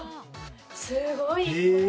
すごいえ